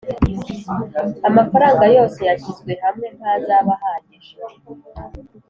amafaranga yose yashyizwe hamwe ntazaba ahagije.